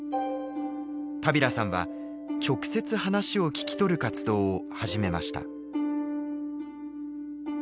田平さんは直接話を聞き取る活動を始めました。